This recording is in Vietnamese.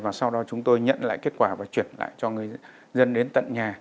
và sau đó chúng tôi nhận lại kết quả và chuyển lại cho người dân đến tận nhà